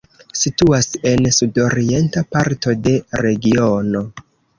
Situas en sudorienta parto de regiono.